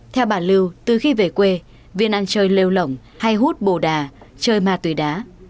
theo bà lưu từ khi về quê viên ăn chơi lêu lỏng hay hút bồ đà chơi ma túy đá